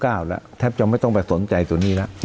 แล้วแทบจะไม่ต้องไปสนใจตัวนี้แล้ว